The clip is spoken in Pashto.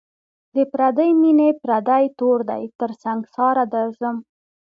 د پردۍ میني پردی تور دی تر سنگساره درځم